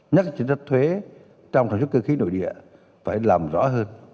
nhất là chính sách thuế trong sản xuất cơ khí nội địa phải làm rõ hơn